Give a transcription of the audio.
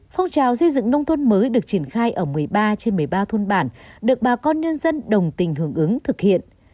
phong trào xây dựng nông thôn mới được triển khai ở một mươi ba trên một mươi ba thôn bản được bà con nhân dân đồng tình hưởng ứng thực hiện